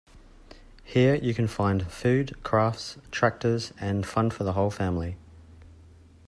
Here you can find food, crafts, tractors, and fun for the whole family.